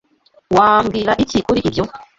Wambwira iki kuri ibyo?